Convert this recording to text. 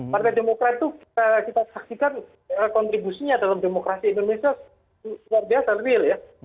partai demokrat itu kita saksikan kontribusinya dalam demokrasi indonesia luar biasa real ya